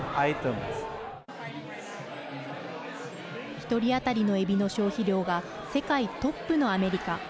１人当たりのえびの消費量が世界トップのアメリカ。